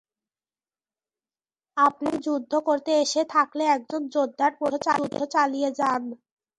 আপনি যুদ্ধ করতে এসে থাকলে একজন যোদ্ধার মতই যুদ্ধ চালিয়ে যান।